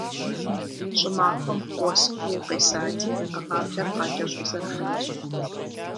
ЩӀымахуэм уэс куу къесати, гъаблэр къакӀэщӀэзэрыхьащ.